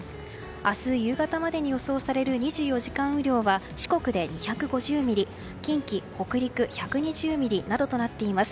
明日、夕方までに予想される２４時間雨量は四国で２５０ミリ近畿、北陸で１２０ミリとなっています。